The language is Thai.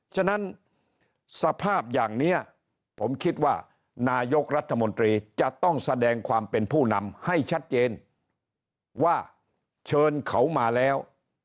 ฉะนั้นสภาพอย่างนี้ผมคิดว่านายกรัฐมนตรีจะต้องแสดงความเป็นผู้นำให้ชัดเจนว่าเชิญเขามาแล้ว